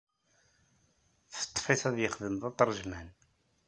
Teṭṭef-it ad yexdem d atrejman.